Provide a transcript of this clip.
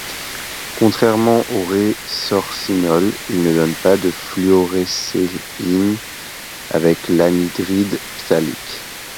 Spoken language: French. Contrairement au résorcinol il ne donne pas de fluorescéine avec l'anhydride phtalique.